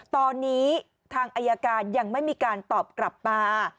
ตอนนี้ทางอายการยังไม่มีการตอบกลับมา